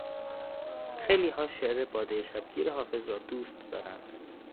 خیلیها شعر بادهٔ شبگیر حافظ را دوست دارند.